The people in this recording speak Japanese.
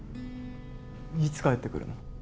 いつ帰ってくるの？